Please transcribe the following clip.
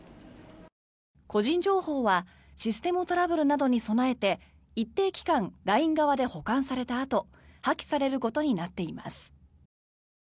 個人情報はシステムトラブルなどに備えて一定期間ＬＩＮＥ側で保管されたあと破棄されることになっています。